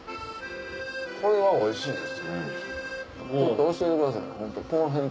これはおいしいです。